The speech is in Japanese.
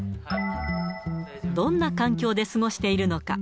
どんな環境で過ごしているのか。